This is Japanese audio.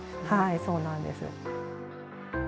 はいそうなんです。